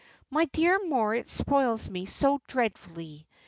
My dear Moritz spoils me so dreadfully.